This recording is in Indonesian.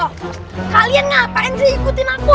oh kalian ngapain sih ikutin aku